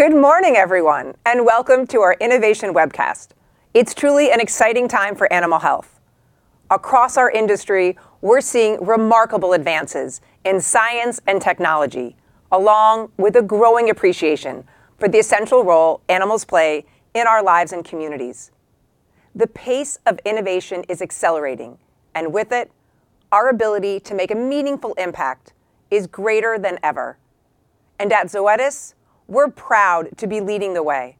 Good morning, everyone, and welcome to our Innovation Webcast. It's truly an exciting time for animal health. Across our industry, we're seeing remarkable advances in science and technology, along with a growing appreciation for the essential role animals play in our lives and communities. The pace of innovation is accelerating, and with it, our ability to make a meaningful impact is greater than ever. At Zoetis, we're proud to be leading the way.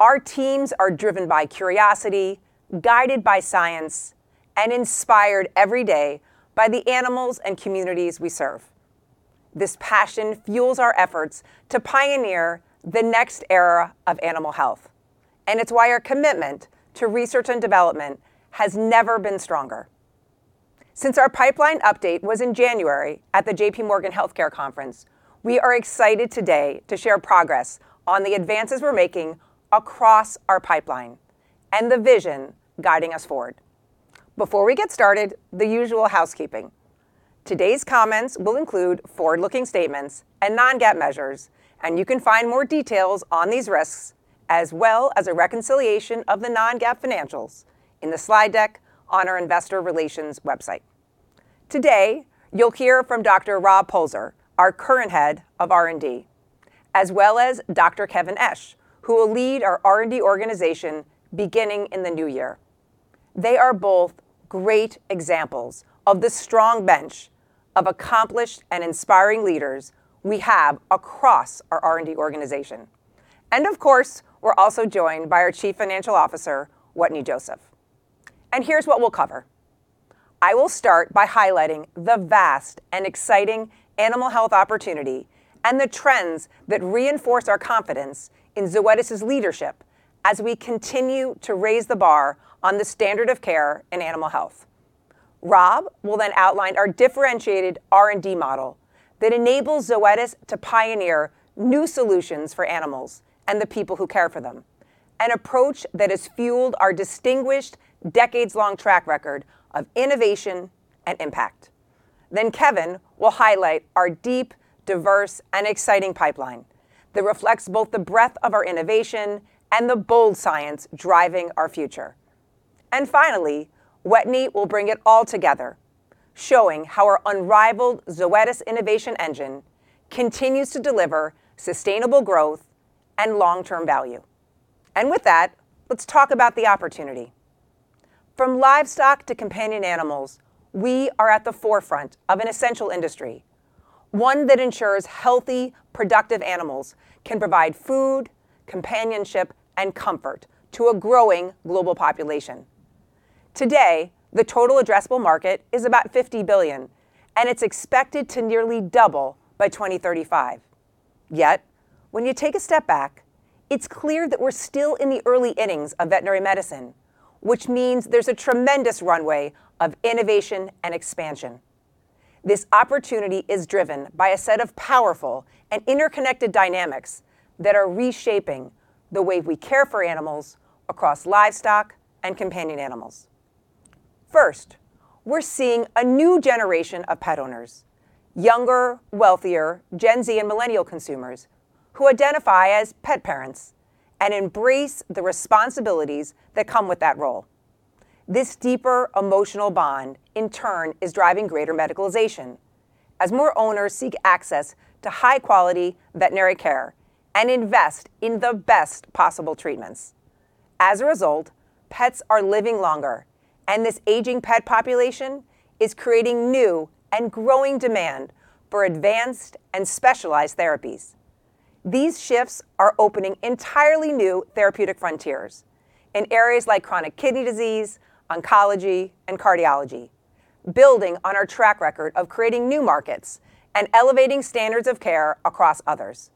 Our teams are driven by curiosity, guided by science, and inspired every day by the animals and communities we serve. This passion fuels our efforts to pioneer the next era of animal health, and it's why our commitment to research and development has never been stronger. Since our pipeline update was in January at the J.P. Morgan. Morgan Healthcare Conference, we are excited today to share progress on the advances we're making across our pipeline and the vision guiding us forward. Before we get started, the usual housekeeping. Today's comments will include forward-looking statements and non-GAAP measures, and you can find more details on these risks, as well as a reconciliation of the non-GAAP financials in the slide deck on our Investor Relations website. Today, you'll hear from Dr. Rob Polzer, our current Head of R&D, as well as Dr. Kevin Esch, who will lead our R&D organization beginning in the new year. They are both great examples of the strong bench of accomplished and inspiring leaders we have across our R&D organization. Of course, we're also joined by our Chief Financial Officer, Wetteny Joseph. Here's what we'll cover. I will start by highlighting the vast and exciting animal health opportunity and the trends that reinforce our confidence in Zoetis' leadership as we continue to raise the bar on the standard of care in animal health. Rob will then outline our differentiated R&D model that enables Zoetis to pioneer new solutions for animals and the people who care for them, an approach that has fueled our distinguished decades-long track record of innovation and impact. Kevin will highlight our deep, diverse, and exciting pipeline that reflects both the breadth of our innovation and the bold science driving our future. Wetteny will bring it all together, showing how our unrivaled Zoetis innovation engine continues to deliver sustainable growth and long-term value. With that, let's talk about the opportunity. From livestock to companion animals, we are at the forefront of an essential industry, one that ensures healthy, productive animals can provide food, companionship, and comfort to a growing global population. Today, the total addressable market is about $50 billion, and it's expected to nearly double by 2035. Yet, when you take a step back, it's clear that we're still in the early innings of veterinary medicine, which means there's a tremendous runway of innovation and expansion. This opportunity is driven by a set of powerful and interconnected dynamics that are reshaping the way we care for animals across livestock and companion animals. First, we're seeing a new generation of pet owners, younger, wealthier Gen Z and millennial consumers who identify as pet parents and embrace the responsibilities that come with that role. This deeper emotional bond, in turn, is driving greater medicalization, as more owners seek access to high-quality veterinary care and invest in the best possible treatments. As a result, pets are living longer, and this aging pet population is creating new and growing demand for advanced and specialized therapies. These shifts are opening entirely new therapeutic frontiers in areas like chronic kidney disease, oncology, and cardiology, building on our track record of creating new markets and elevating standards of care across others.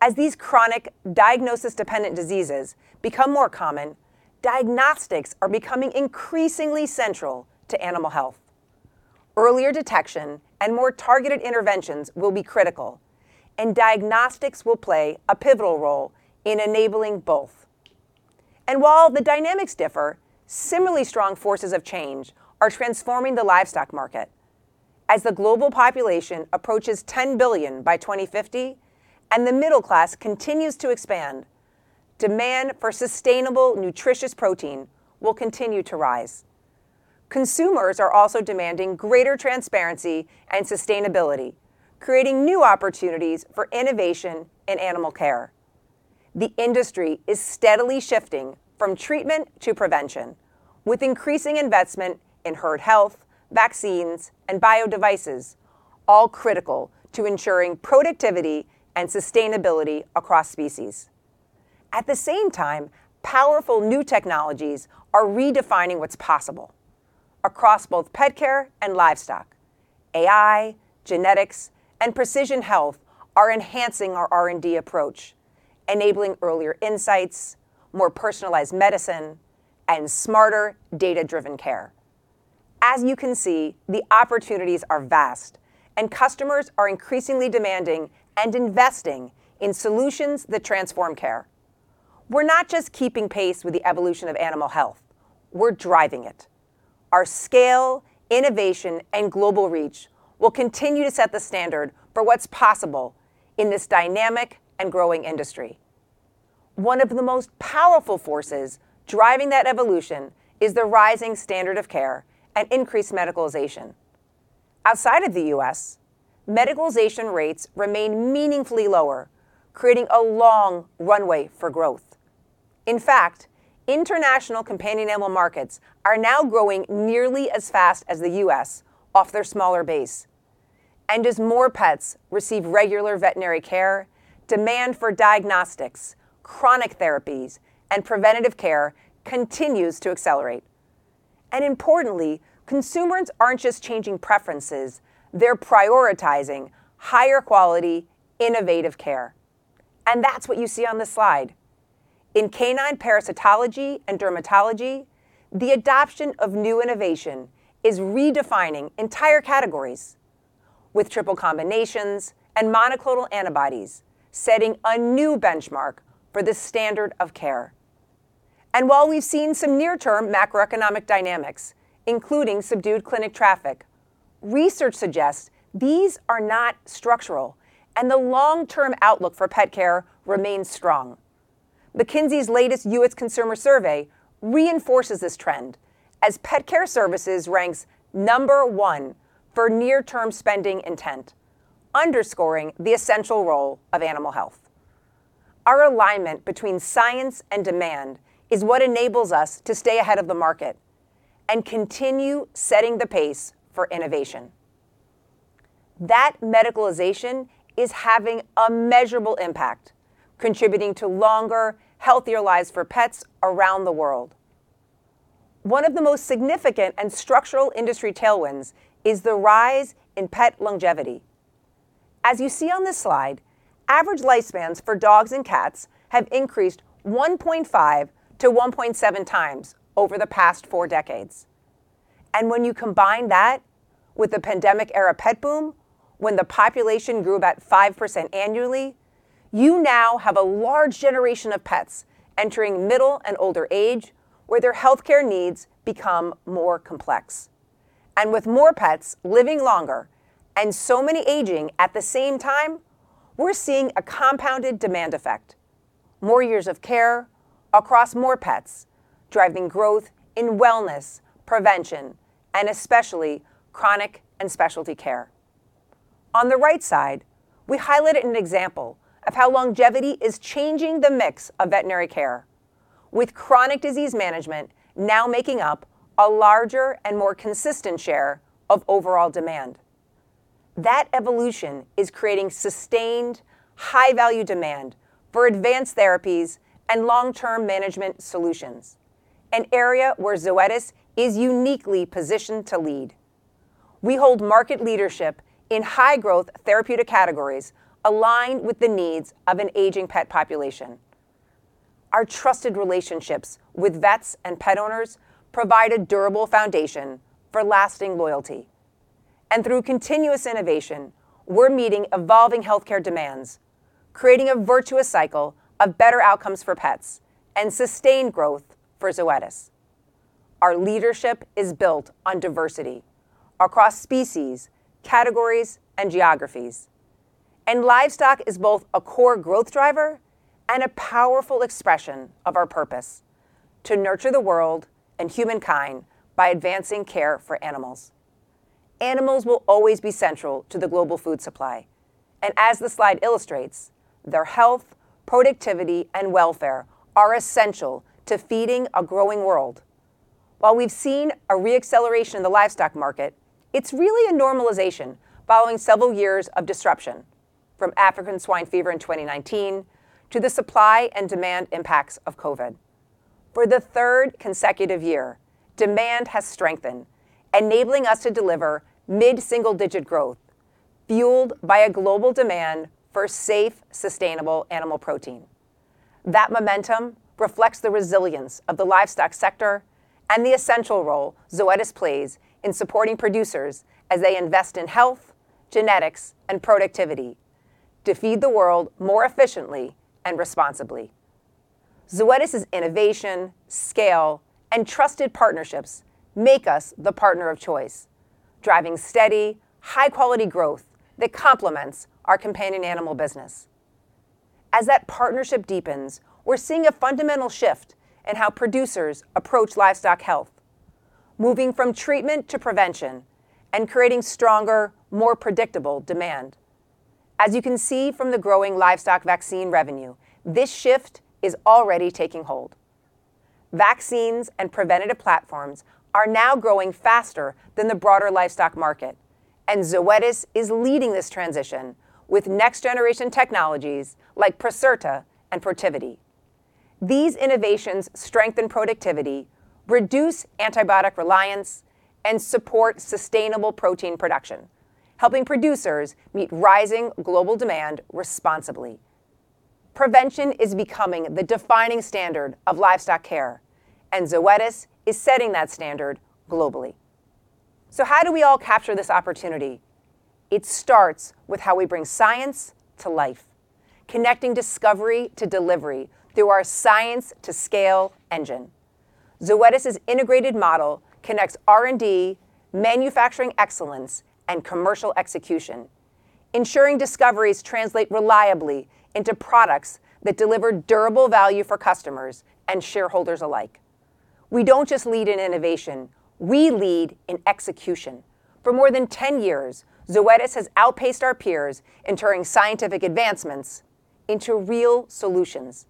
As these chronic diagnosis-dependent diseases become more common, diagnostics are becoming increasingly central to animal health. Earlier detection and more targeted interventions will be critical, and diagnostics will play a pivotal role in enabling both. While the dynamics differ, similarly strong forces of change are transforming the livestock market. As the global population approaches $10 billion by 2050 and the middle class continues to expand, demand for sustainable, nutritious protein will continue to rise. Consumers are also demanding greater transparency and sustainability, creating new opportunities for innovation in animal care. The industry is steadily shifting from treatment to prevention, with increasing investment in herd health, vaccines, and bio-devices, all critical to ensuring productivity and sustainability across species. At the same time, powerful new technologies are redefining what's possible across both pet care and livestock. AI, genetics, and precision health are enhancing our R&D approach, enabling earlier insights, more personalized medicine, and smarter, data-driven care. As you can see, the opportunities are vast, and customers are increasingly demanding and investing in solutions that transform care. We're not just keeping pace with the evolution of animal health; we're driving it. Our scale, innovation, and global reach will continue to set the standard for what's possible in this dynamic and growing industry. One of the most powerful forces driving that evolution is the rising standard of care and increased medicalization. Outside of the U.S., medicalization rates remain meaningfully lower, creating a long runway for growth. In fact, international companion animal markets are now growing nearly as fast as the U.S. off their smaller base. As more pets receive regular veterinary care, demand for diagnostics, chronic therapies, and preventative care continues to accelerate. Importantly, consumers aren't just changing preferences; they're prioritizing higher-quality, innovative care. That's what you see on the slide. In canine parasitology and dermatology, the adoption of new innovation is redefining entire categories, with triple combinations and monoclonal antibodies setting a new benchmark for the standard of care. While we've seen some near-term macroeconomic dynamics, including subdued clinic traffic, research suggests these are not structural, and the long-term outlook for pet care remains strong. McKinsey's latest U.S. Consumer Survey reinforces this trend, as pet care services rank number one for near-term spending intent, underscoring the essential role of animal health. Our alignment between science and demand is what enables us to stay ahead of the market and continue setting the pace for innovation. That medicalization is having a measurable impact, contributing to longer, healthier lives for pets around the world. One of the most significant and structural industry tailwinds is the rise in pet longevity. As you see on this slide, average lifespans for dogs and cats have increased 1.5-1.7 times over the past four decades. When you combine that with the pandemic-era pet boom, when the population grew about 5% annually, you now have a large generation of pets entering middle and older age, where their healthcare needs become more complex. With more pets living longer and so many aging at the same time, we're seeing a compounded demand effect: more years of care across more pets, driving growth in wellness, prevention, and especially chronic and specialty care. On the right side, we highlighted an example of how longevity is changing the mix of veterinary care, with chronic disease management now making up a larger and more consistent share of overall demand. That evolution is creating sustained, high-value demand for advanced therapies and long-term management solutions, an area where Zoetis is uniquely positioned to lead. We hold market leadership in high-growth therapeutic categories aligned with the needs of an aging pet population. Our trusted relationships with vets and pet owners provide a durable foundation for lasting loyalty. Through continuous innovation, we're meeting evolving healthcare demands, creating a virtuous cycle of better outcomes for pets and sustained growth for Zoetis. Our leadership is built on diversity across species, categories, and geographies, and livestock is both a core growth driver and a powerful expression of our purpose to nurture the world and humankind by advancing care for animals. Animals will always be central to the global food supply, and as the slide illustrates, their health, productivity, and welfare are essential to feeding a growing world. While we've seen a reacceleration in the livestock market, it's really a normalization following several years of disruption, from African swine fever in 2019 to the supply and demand impacts of COVID. For the third consecutive year, demand has strengthened, enabling us to deliver mid-single-digit growth, fueled by a global demand for safe, sustainable animal protein. That momentum reflects the resilience of the livestock sector and the essential role Zoetis plays in supporting producers as they invest in health, genetics, and productivity to feed the world more efficiently and responsibly. Zoetis's innovation, scale, and trusted partnerships make us the partner of choice, driving steady, high-quality growth that complements our companion animal business. As that partnership deepens, we're seeing a fundamental shift in how producers approach livestock health, moving from treatment to prevention and creating stronger, more predictable demand. As you can see from the growing livestock vaccine revenue, this shift is already taking hold. Vaccines and preventative platforms are now growing faster than the broader livestock market, and Zoetis is leading this transition with next-generation technologies like Procerta and Protivity. These innovations strengthen productivity, reduce antibiotic reliance, and support sustainable protein production, helping producers meet rising global demand responsibly. Prevention is becoming the defining standard of livestock care, and Zoetis is setting that standard globally. How do we all capture this opportunity? It starts with how we bring science to life, connecting discovery to delivery through our science-to-scale engine. Zoetis's integrated model connects R&D, manufacturing excellence, and commercial execution, ensuring discoveries translate reliably into products that deliver durable value for customers and shareholders alike. We do not just lead in innovation; we lead in execution. For more than 10 years, Zoetis has outpaced our peers in turning scientific advancements into real solutions.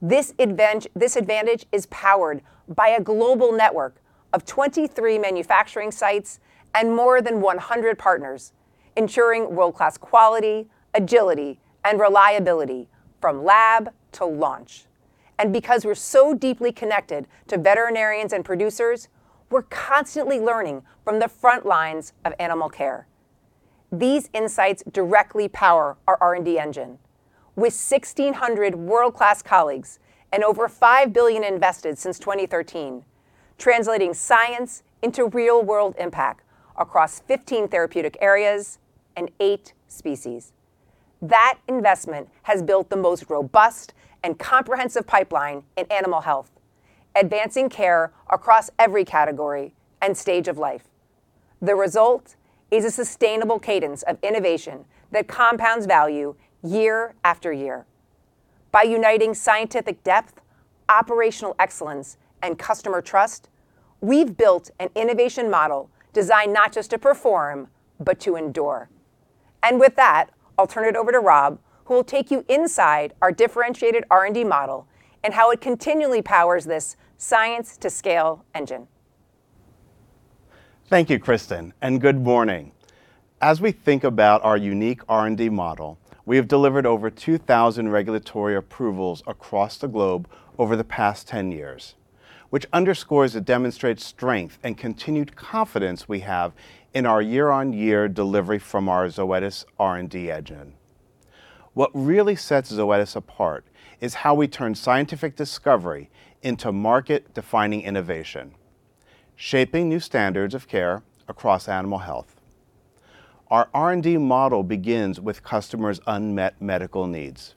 This advantage is powered by a global network of 23 manufacturing sites and more than 100 partners, ensuring world-class quality, agility, and reliability from lab to launch. Because we're so deeply connected to veterinarians and producers, we're constantly learning from the front lines of animal care. These insights directly power our R&D engine. With 1,600 world-class colleagues and over $5 billion invested since 2013, translating science into real-world impact across 15 therapeutic areas and eight species, that investment has built the most robust and comprehensive pipeline in animal health, advancing care across every category and stage of life. The result is a sustainable cadence of innovation that compounds value year after year. By uniting scientific depth, operational excellence, and customer trust, we've built an innovation model designed not just to perform, but to endure. With that, I'll turn it over to Rob, who will take you inside our differentiated R&D model and how it continually powers this science-to-scale engine. Thank you, Kristin, and good morning. As we think about our unique R&D model, we have delivered over 2,000 regulatory approvals across the globe over the past 10 years, which underscores and demonstrates strength and continued confidence we have in our year-on-year delivery from our Zoetis R&D engine. What really sets Zoetis apart is how we turn scientific discovery into market-defining innovation, shaping new standards of care across animal health. Our R&D model begins with customers' unmet medical needs.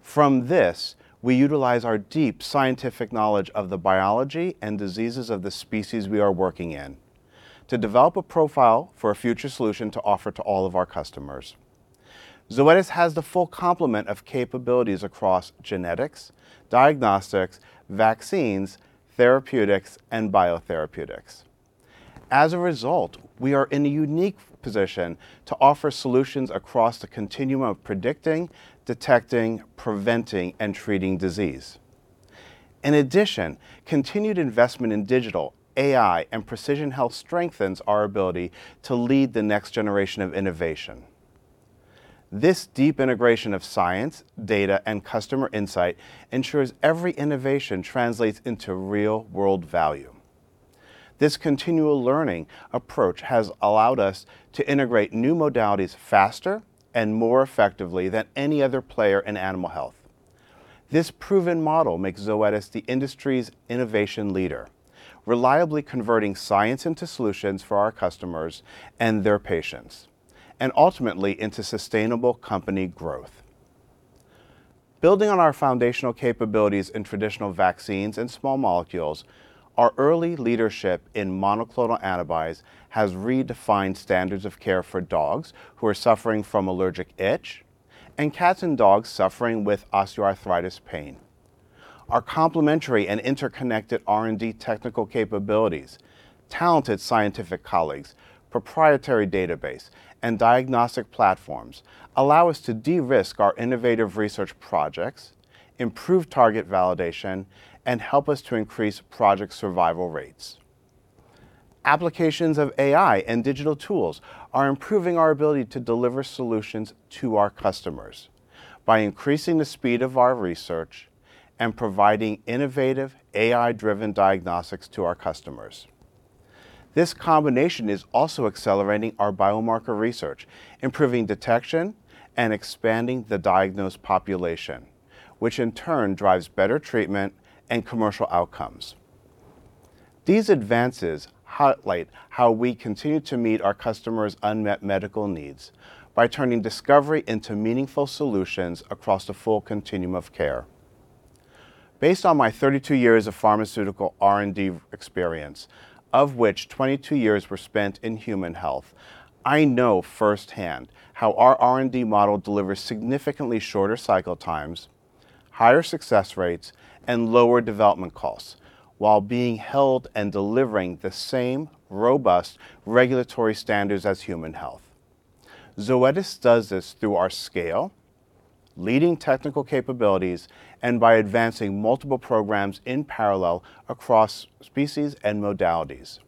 From this, we utilize our deep scientific knowledge of the biology and diseases of the species we are working in to develop a profile for a future solution to offer to all of our customers. Zoetis has the full complement of capabilities across genetics, diagnostics, vaccines, therapeutics, and biotherapeutics. As a result, we are in a unique position to offer solutions across the continuum of predicting, detecting, preventing, and treating disease. In addition, continued investment in digital, AI, and precision health strengthens our ability to lead the next generation of innovation. This deep integration of science, data, and customer insight ensures every innovation translates into real-world value. This continual learning approach has allowed us to integrate new modalities faster and more effectively than any other player in animal health. This proven model makes Zoetis the industry's innovation leader, reliably converting science into solutions for our customers and their patients, and ultimately into sustainable company growth. Building on our foundational capabilities in traditional vaccines and small molecules, our early leadership in monoclonal antibodies has redefined standards of care for dogs who are suffering from allergic itch and cats and dogs suffering with osteoarthritis pain. Our complementary and interconnected R&D technical capabilities, talented scientific colleagues, proprietary database, and diagnostic platforms allow us to de-risk our innovative research projects, improve target validation, and help us to increase project survival rates. Applications of AI and digital tools are improving our ability to deliver solutions to our customers by increasing the speed of our research and providing innovative AI-driven diagnostics to our customers. This combination is also accelerating our biomarker research, improving detection and expanding the diagnosed population, which in turn drives better treatment and commercial outcomes. These advances highlight how we continue to meet our customers' unmet medical needs by turning discovery into meaningful solutions across the full continuum of care. Based on my 32 years of pharmaceutical R&D experience, of which 22 years were spent in human health, I know firsthand how our R&D model delivers significantly shorter cycle times, higher success rates, and lower development costs while being held and delivering the same robust regulatory standards as human health. Zoetis does this through our scale, leading technical capabilities, and by advancing multiple programs in parallel across species and modalities.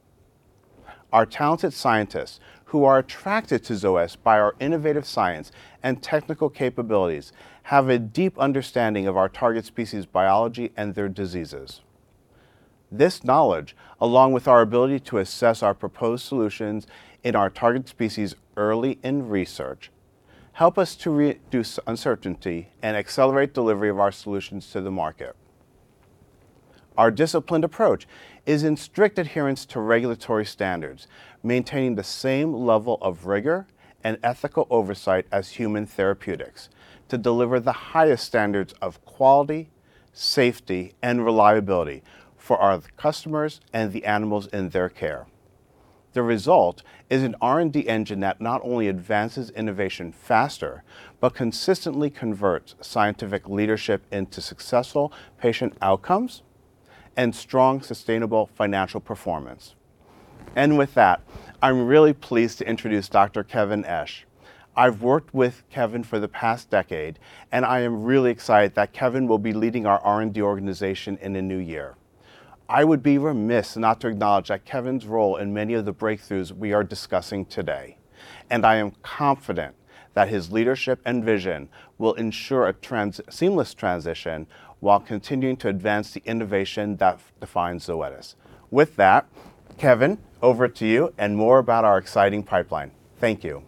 Our talented scientists, who are attracted to Zoetis by our innovative science and technical capabilities, have a deep understanding of our target species' biology and their diseases. This knowledge, along with our ability to assess our proposed solutions in our target species early in research, helps us to reduce uncertainty and accelerate delivery of our solutions to the market. Our disciplined approach is in strict adherence to regulatory standards, maintaining the same level of rigor and ethical oversight as human therapeutics to deliver the highest standards of quality, safety, and reliability for our customers and the animals in their care. The result is an R&D engine that not only advances innovation faster, but consistently converts scientific leadership into successful patient outcomes and strong, sustainable financial performance. I am really pleased to introduce Dr. Kevin Esch. I've worked with Kevin for the past decade, and I am really excited that Kevin will be leading our R&D organization in the new year. I would be remiss not to acknowledge Kevin's role in many of the breakthroughs we are discussing today, and I am confident that his leadership and vision will ensure a seamless transition while continuing to advance the innovation that defines Zoetis. With that, Kevin, over to you and more about our exciting pipeline. Thank you.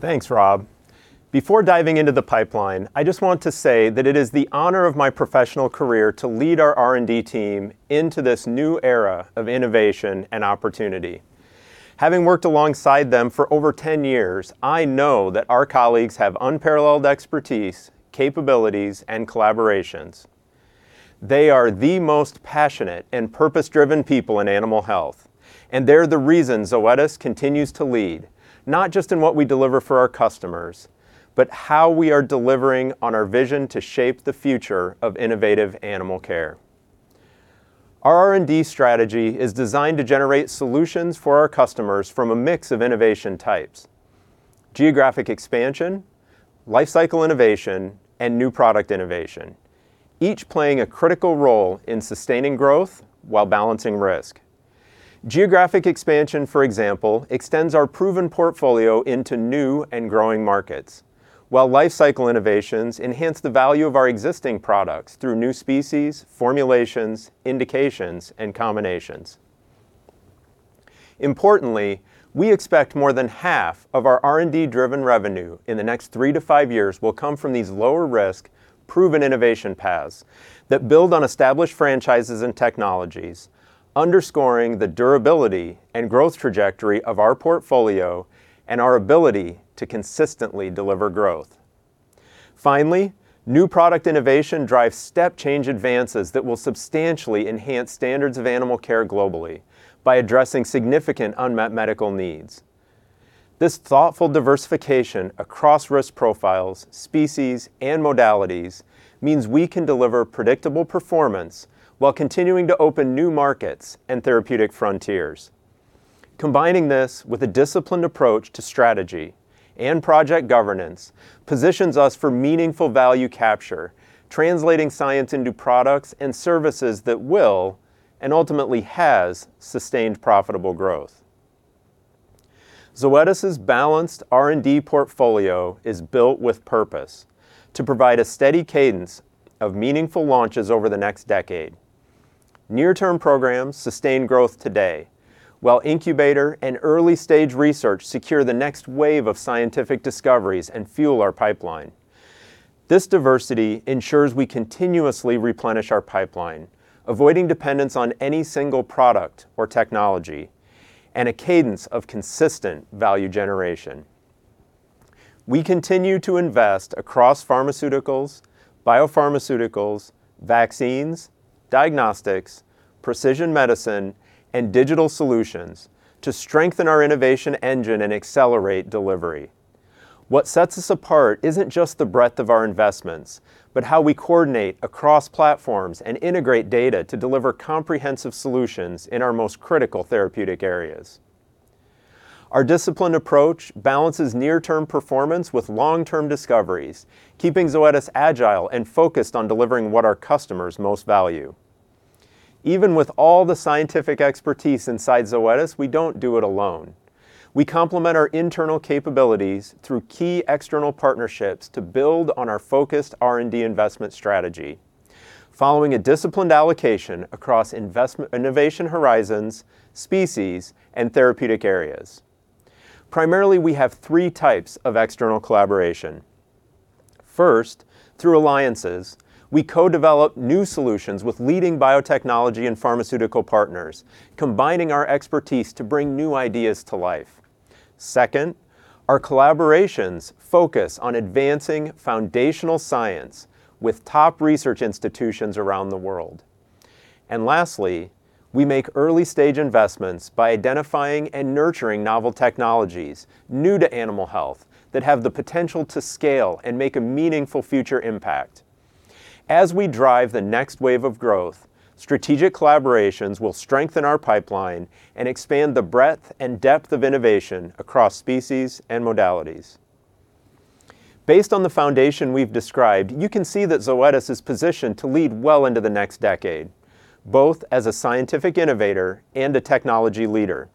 Thanks, Rob. Before diving into the pipeline, I just want to say that it is the honor of my professional career to lead our R&D team into this new era of innovation and opportunity. Having worked alongside them for over 10 years, I know that our colleagues have unparalleled expertise, capabilities, and collaborations. They are the most passionate and purpose-driven people in animal health, and they're the reason Zoetis continues to lead, not just in what we deliver for our customers, but how we are delivering on our vision to shape the future of innovative animal care. Our R&D strategy is designed to generate solutions for our customers from a mix of innovation types: geographic expansion, life cycle innovation, and new product innovation, each playing a critical role in sustaining growth while balancing risk. Geographic expansion, for example, extends our proven portfolio into new and growing markets, while life cycle innovations enhance the value of our existing products through new species, formulations, indications, and combinations. Importantly, we expect more than half of our R&D-driven revenue in the next three to five years will come from these lower-risk, proven innovation paths that build on established franchises and technologies, underscoring the durability and growth trajectory of our portfolio and our ability to consistently deliver growth. Finally, new product innovation drives step-change advances that will substantially enhance standards of animal care globally by addressing significant unmet medical needs. This thoughtful diversification across risk profiles, species, and modalities means we can deliver predictable performance while continuing to open new markets and therapeutic frontiers. Combining this with a disciplined approach to strategy and project governance positions us for meaningful value capture, translating science into products and services that will and ultimately has sustained profitable growth. Zoetis's balanced R&D portfolio is built with purpose to provide a steady cadence of meaningful launches over the next decade. Near-term programs sustain growth today, while incubator and early-stage research secure the next wave of scientific discoveries and fuel our pipeline. This diversity ensures we continuously replenish our pipeline, avoiding dependence on any single product or technology, and a cadence of consistent value generation. We continue to invest across pharmaceuticals, biopharmaceuticals, vaccines, diagnostics, precision medicine, and digital solutions to strengthen our innovation engine and accelerate delivery. What sets us apart isn't just the breadth of our investments, but how we coordinate across platforms and integrate data to deliver comprehensive solutions in our most critical therapeutic areas. Our disciplined approach balances near-term performance with long-term discoveries, keeping Zoetis agile and focused on delivering what our customers most value. Even with all the scientific expertise inside Zoetis, we don't do it alone. We complement our internal capabilities through key external partnerships to build on our focused R&D investment strategy, following a disciplined allocation across innovation horizons, species, and therapeutic areas. Primarily, we have three types of external collaboration. First, through alliances, we co-develop new solutions with leading biotechnology and pharmaceutical partners, combining our expertise to bring new ideas to life. Second, our collaborations focus on advancing foundational science with top research institutions around the world. Lastly, we make early-stage investments by identifying and nurturing novel technologies new to animal health that have the potential to scale and make a meaningful future impact. As we drive the next wave of growth, strategic collaborations will strengthen our pipeline and expand the breadth and depth of innovation across species and modalities. Based on the foundation we've described, you can see that Zoetis is positioned to lead well into the next decade, both as a scientific innovator and a technology leader.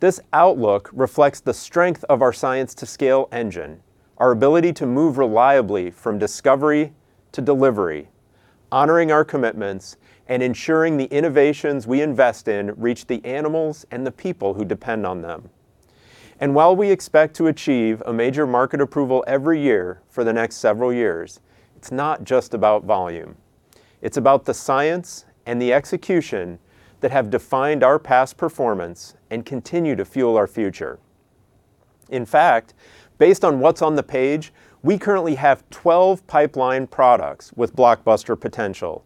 This outlook reflects the strength of our science-to-scale engine, our ability to move reliably from discovery to delivery, honoring our commitments and ensuring the innovations we invest in reach the animals and the people who depend on them. While we expect to achieve a major market approval every year for the next several years, it's not just about volume. It's about the science and the execution that have defined our past performance and continue to fuel our future. In fact, based on what's on the page, we currently have 12 pipeline products with blockbuster potential,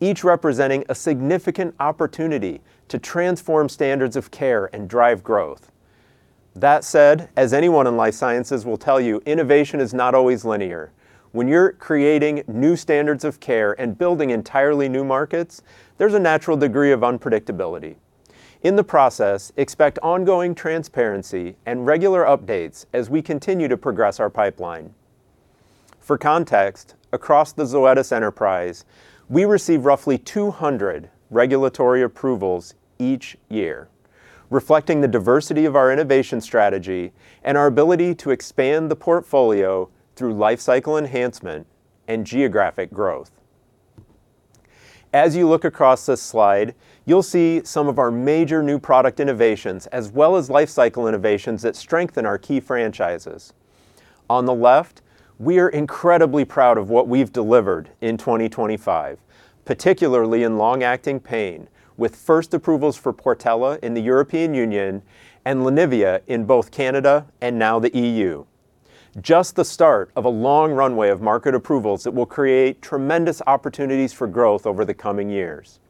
each representing a significant opportunity to transform standards of care and drive growth. That said, as anyone in life sciences will tell you, innovation is not always linear. When you're creating new standards of care and building entirely new markets, there's a natural degree of unpredictability. In the process, expect ongoing transparency and regular updates as we continue to progress our pipeline. For context, across the Zoetis enterprise, we receive roughly 200 regulatory approvals each year, reflecting the diversity of our innovation strategy and our ability to expand the portfolio through life cycle enhancement and geographic growth. As you look across this slide, you'll see some of our major new product innovations as well as life cycle innovations that strengthen our key franchises. On the left, we are incredibly proud of what we've delivered in 2025, particularly in long-acting pain, with first approvals for Portela in the European Union and Lenivia in both Canada and now the European Union. Just the start of a long runway of market approvals that will create tremendous opportunities for growth over the coming years.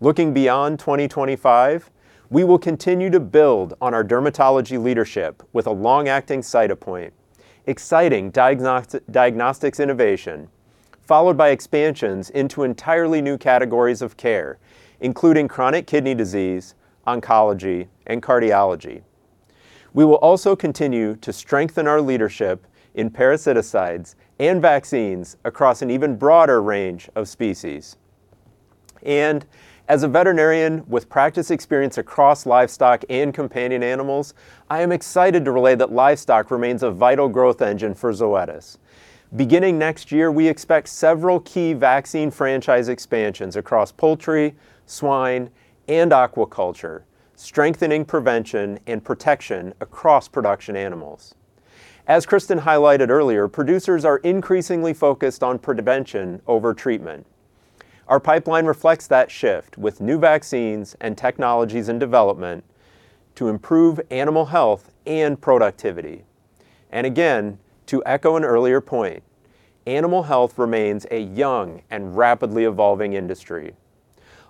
Looking beyond 2025, we will continue to build on our dermatology leadership with a long-acting Cytopoint, exciting diagnostics innovation, followed by expansions into entirely new categories of care, including chronic kidney disease, oncology, and cardiology. We will also continue to strengthen our leadership in parasiticides and vaccines across an even broader range of species. As a veterinarian with practice experience across livestock and companion animals, I am excited to relay that livestock remains a vital growth engine for Zoetis. Beginning next year, we expect several key vaccine franchise expansions across poultry, swine, and aquaculture, strengthening prevention and protection across production animals. As Kristin highlighted earlier, producers are increasingly focused on prevention over treatment. Our pipeline reflects that shift with new vaccines and technologies in development to improve animal health and productivity. Again, to echo an earlier point, animal health remains a young and rapidly evolving industry.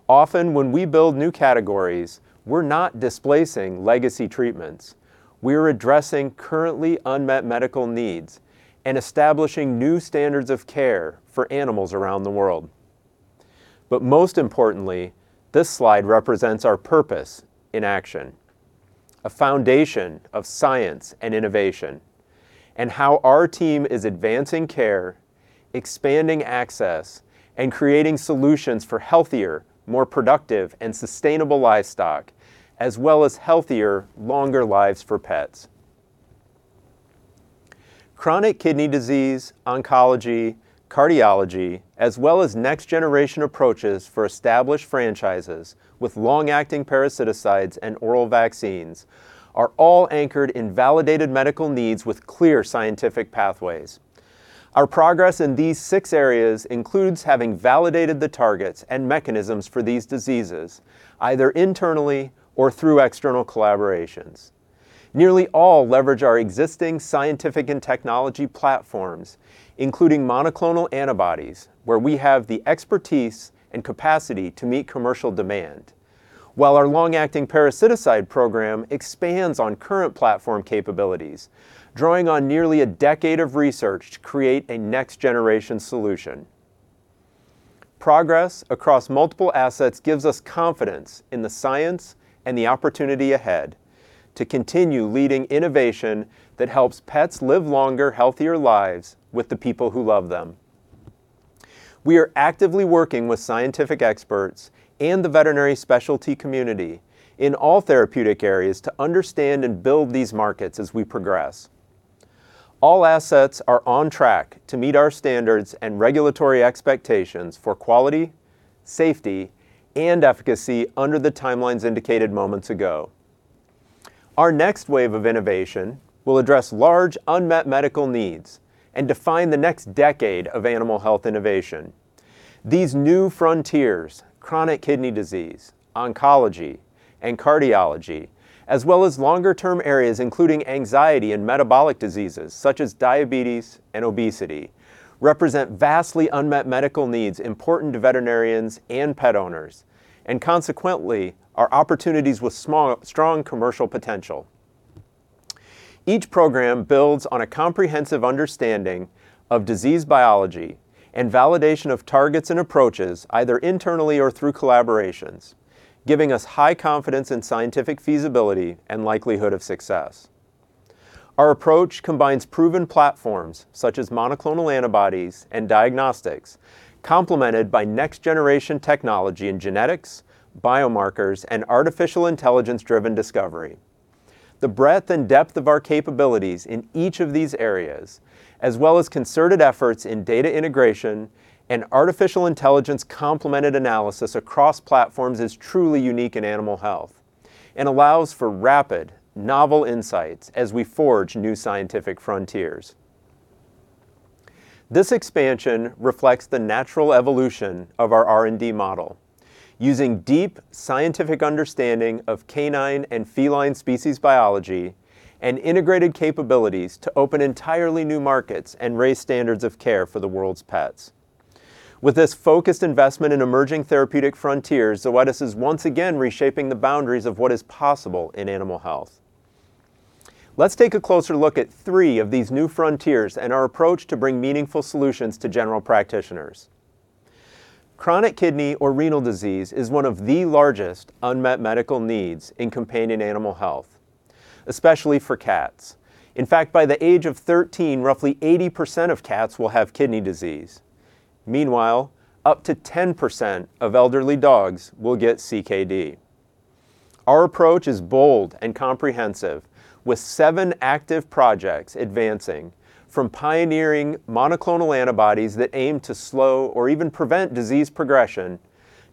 Often, when we build new categories, we're not displacing legacy treatments. We are addressing currently unmet medical needs and establishing new standards of care for animals around the world. Most importantly, this slide represents our purpose in action, a foundation of science and innovation, and how our team is advancing care, expanding access, and creating solutions for healthier, more productive, and sustainable livestock, as well as healthier, longer lives for pets. Chronic kidney disease, oncology, cardiology, as well as next-generation approaches for established franchises with long-acting parasiticides and oral vaccines are all anchored in validated medical needs with clear scientific pathways. Our progress in these six areas includes having validated the targets and mechanisms for these diseases, either internally or through external collaborations. Nearly all leverage our existing scientific and technology platforms, including monoclonal antibodies, where we have the expertise and capacity to meet commercial demand, while our long-acting parasiticide program expands on current platform capabilities, drawing on nearly a decade of research to create a next-generation solution. Progress across multiple assets gives us confidence in the science and the opportunity ahead to continue leading innovation that helps pets live longer, healthier lives with the people who love them. We are actively working with scientific experts and the veterinary specialty community in all therapeutic areas to understand and build these markets as we progress. All assets are on track to meet our standards and regulatory expectations for quality, safety, and efficacy under the timelines indicated moments ago. Our next wave of innovation will address large unmet medical needs and define the next decade of animal health innovation. These new frontiers, chronic kidney disease, oncology, and cardiology, as well as longer-term areas including anxiety and metabolic diseases such as diabetes and obesity, represent vastly unmet medical needs important to veterinarians and pet owners, and consequently, are opportunities with strong commercial potential. Each program builds on a comprehensive understanding of disease biology and validation of targets and approaches, either internally or through collaborations, giving us high confidence in scientific feasibility and likelihood of success. Our approach combines proven platforms such as monoclonal antibodies and diagnostics, complemented by next-generation technology in genetics, biomarkers, and artificial intelligence-driven discovery. The breadth and depth of our capabilities in each of these areas, as well as concerted efforts in data integration and artificial intelligence-complemented analysis across platforms, is truly unique in animal health and allows for rapid, novel insights as we forge new scientific frontiers. This expansion reflects the natural evolution of our R&D model, using deep scientific understanding of canine and feline species biology and integrated capabilities to open entirely new markets and raise standards of care for the world's pets. With this focused investment in emerging therapeutic frontiers, Zoetis is once again reshaping the boundaries of what is possible in animal health. Let's take a closer look at three of these new frontiers and our approach to bring meaningful solutions to general practitioners. Chronic kidney or renal disease is one of the largest unmet medical needs in companion animal health, especially for cats. In fact, by the age of 13, roughly 80% of cats will have kidney disease. Meanwhile, up to 10% of elderly dogs will get CKD. Our approach is bold and comprehensive, with seven active projects advancing from pioneering monoclonal antibodies that aim to slow or even prevent disease progression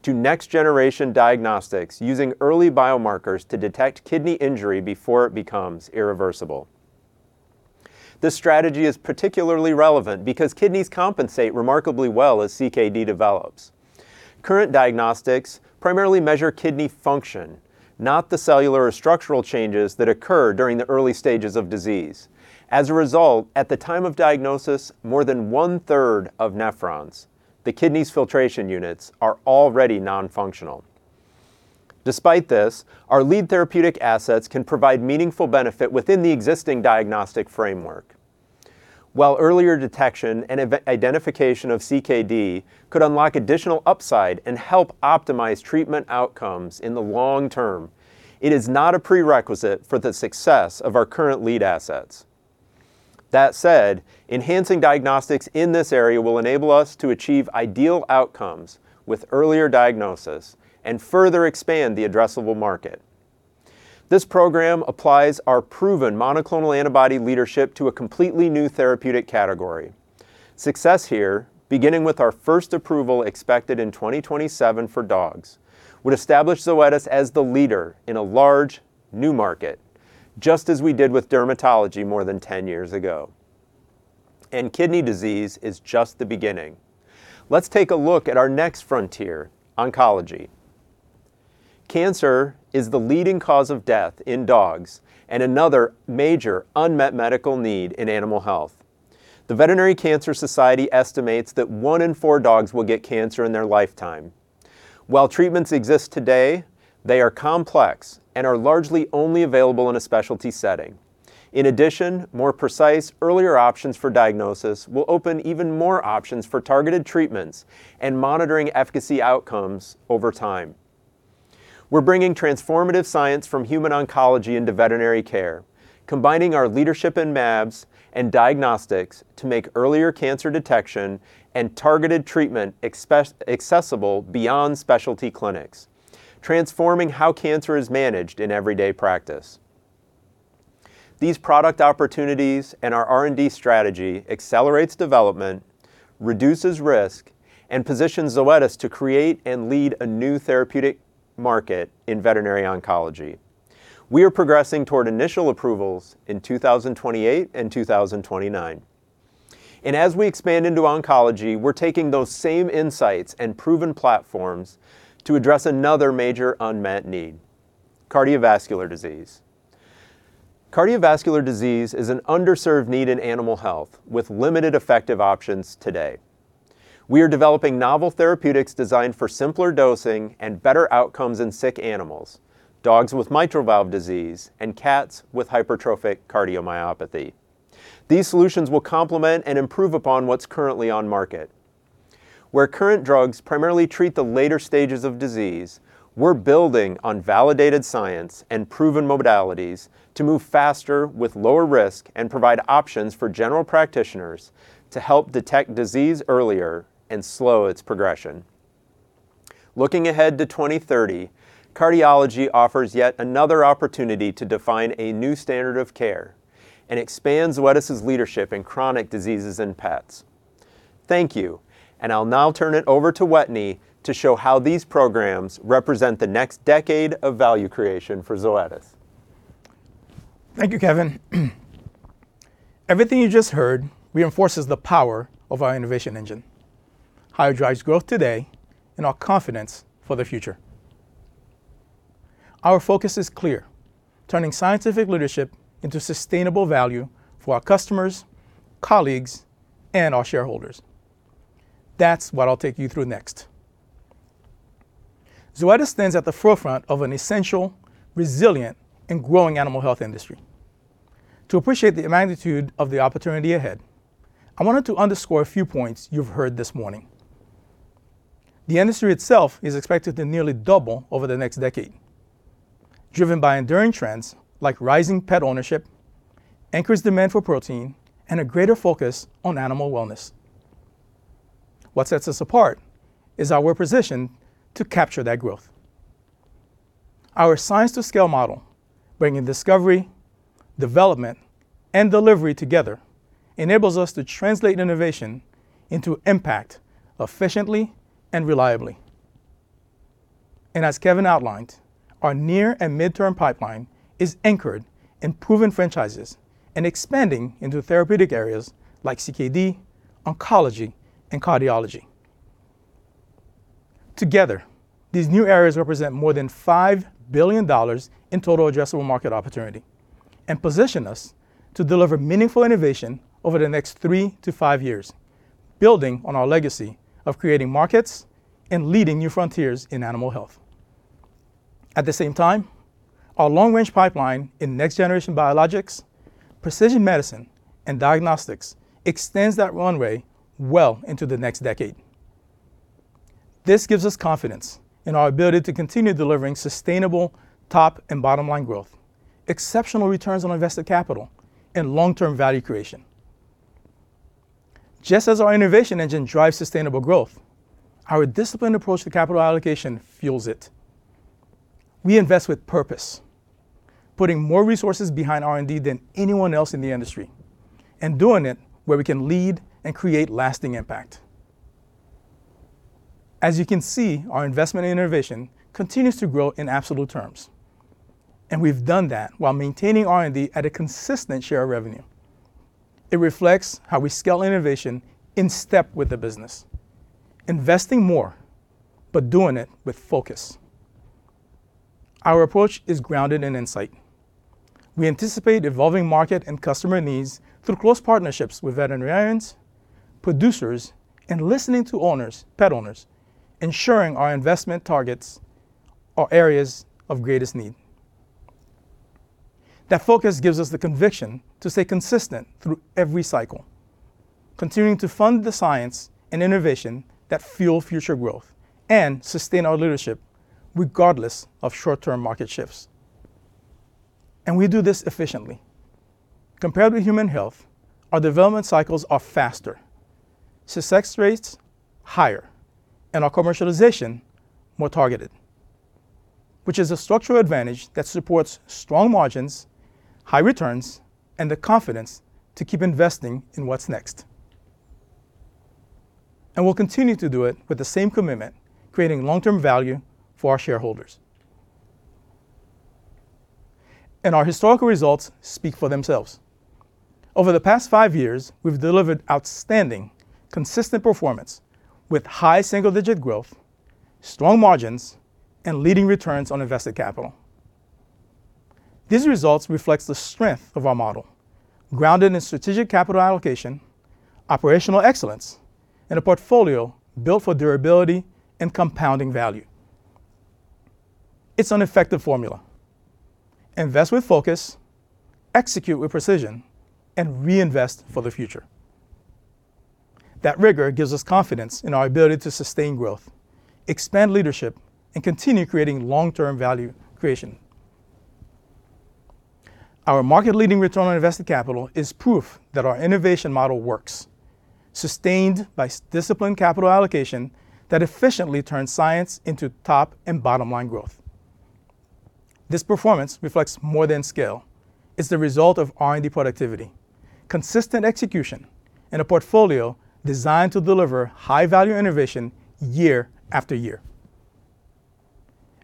to next-generation diagnostics using early biomarkers to detect kidney injury before it becomes irreversible. This strategy is particularly relevant because kidneys compensate remarkably well as CKD develops. Current diagnostics primarily measure kidney function, not the cellular or structural changes that occur during the early stages of disease. As a result, at the time of diagnosis, more than one-third of nephrons, the kidney's filtration units, are already nonfunctional. Despite this, our lead therapeutic assets can provide meaningful benefit within the existing diagnostic framework. While earlier detection and identification of CKD could unlock additional upside and help optimize treatment outcomes in the long term, it is not a prerequisite for the success of our current lead assets. That said, enhancing diagnostics in this area will enable us to achieve ideal outcomes with earlier diagnosis and further expand the addressable market. This program applies our proven monoclonal antibody leadership to a completely new therapeutic category. Success here, beginning with our first approval expected in 2027 for dogs, would establish Zoetis as the leader in a large new market, just as we did with dermatology more than 10 years ago. Kidney disease is just the beginning. Let's take a look at our next frontier, oncology. Cancer is the leading cause of death in dogs and another major unmet medical need in animal health. The Veterinary Cancer Society estimates that one in four dogs will get cancer in their lifetime. While treatments exist today, they are complex and are largely only available in a specialty setting. In addition, more precise, earlier options for diagnosis will open even more options for targeted treatments and monitoring efficacy outcomes over time. We're bringing transformative science from human oncology into veterinary care, combining our leadership in mAbs and diagnostics to make earlier cancer detection and targeted treatment accessible beyond specialty clinics, transforming how cancer is managed in everyday practice. These product opportunities and our R&D strategy accelerates development, reduces risk, and positions Zoetis to create and lead a new therapeutic market in veterinary oncology. We are progressing toward initial approvals in 2028 and 2029. As we expand into oncology, we're taking those same insights and proven platforms to address another major unmet need: cardiovascular disease. Cardiovascular disease is an underserved need in animal health with limited effective options today. We are developing novel therapeutics designed for simpler dosing and better outcomes in sick animals, dogs with mitral valve disease, and cats with hypertrophic cardiomyopathy. These solutions will complement and improve upon what's currently on market. Where current drugs primarily treat the later stages of disease, we're building on validated science and proven modalities to move faster with lower risk and provide options for general practitioners to help detect disease earlier and slow its progression. Looking ahead to 2030, cardiology offers yet another opportunity to define a new standard of care and expands Zoetis's leadership in chronic diseases in pets. Thank you, and I'll now turn it over to Wetteny to show how these programs represent the next decade of value creation for Zoetis. Thank you, Kevin. Everything you just heard reinforces the power of our innovation engine, how it drives growth today and our confidence for the future. Our focus is clear: turning scientific leadership into sustainable value for our customers, colleagues, and our shareholders. That is what I will take you through next. Zoetis stands at the forefront of an essential, resilient, and growing animal health industry. To appreciate the magnitude of the opportunity ahead, I wanted to underscore a few points you have heard this morning. The industry itself is expected to nearly double over the next decade, driven by enduring trends like rising pet ownership, increased demand for protein, and a greater focus on animal wellness. What sets us apart is our position to capture that growth. Our science-to-scale model, bringing discovery, development, and delivery together, enables us to translate innovation into impact efficiently and reliably. As Kevin outlined, our near and midterm pipeline is anchored in proven franchises and expanding into therapeutic areas like CKD, oncology, and cardiology. Together, these new areas represent more than $5 billion in total addressable market opportunity and position us to deliver meaningful innovation over the next three to five years, building on our legacy of creating markets and leading new frontiers in animal health. At the same time, our long-range pipeline in next-generation biologics, precision medicine, and diagnostics extends that runway well into the next decade. This gives us confidence in our ability to continue delivering sustainable top and bottom-line growth, exceptional returns on invested capital, and long-term value creation. Just as our innovation engine drives sustainable growth, our disciplined approach to capital allocation fuels it. We invest with purpose, putting more resources behind R&D than anyone else in the industry and doing it where we can lead and create lasting impact. As you can see, our investment in innovation continues to grow in absolute terms, and we've done that while maintaining R&D at a consistent share of revenue. It reflects how we scale innovation in step with the business, investing more but doing it with focus. Our approach is grounded in insight. We anticipate evolving market and customer needs through close partnerships with veterinarians, producers, and listening to pet owners, ensuring our investment targets are areas of greatest need. That focus gives us the conviction to stay consistent through every cycle, continuing to fund the science and innovation that fuel future growth and sustain our leadership regardless of short-term market shifts. We do this efficiently. Compared with human health, our development cycles are faster, success rates higher, and our commercialization more targeted, which is a structural advantage that supports strong margins, high returns, and the confidence to keep investing in what's next. We will continue to do it with the same commitment, creating long-term value for our shareholders. Our historical results speak for themselves. Over the past five years, we've delivered outstanding, consistent performance with high single-digit growth, strong margins, and leading returns on invested capital. These results reflect the strength of our model, grounded in strategic capital allocation, operational excellence, and a portfolio built for durability and compounding value. It's an effective formula: invest with focus, execute with precision, and reinvest for the future. That rigor gives us confidence in our ability to sustain growth, expand leadership, and continue creating long-term value creation. Our market-leading return on invested capital is proof that our innovation model works, sustained by disciplined capital allocation that efficiently turns science into top and bottom-line growth. This performance reflects more than scale. It is the result of R&D productivity, consistent execution, and a portfolio designed to deliver high-value innovation year after year.